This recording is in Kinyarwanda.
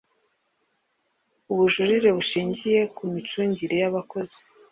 Ubujurire bushingiye ku micungire y Abakozi